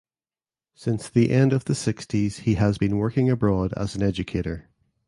Since the end of the sixties he has been working abroad as an educator.